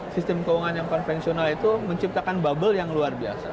sistem keuangan yang konvensional itu menciptakan bubble yang luar biasa